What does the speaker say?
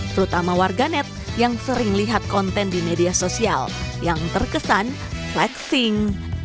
terutama warganet yang sering lihat konten di media sosial yang terkesan flexing